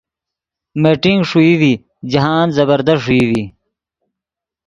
میٹنگ ݰوئی ڤی جاہند زبردست ݰوئی ڤی۔